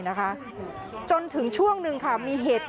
นะคะจนถึงช่วงหนึ่งค่ะมีเหตุ